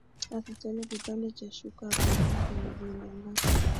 Akachana kipande cha shuka akafunga kwenye jeraha lake